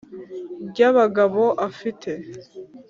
ry'abagabo afite,